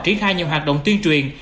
triển khai nhiều hoạt động tuyên truyền